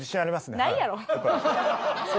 ないやろ。